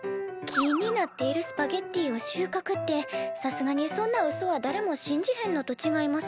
木になっているスパゲッティをしゅうかくってさすがにそんなうそはだれも信じへんのとちがいますか？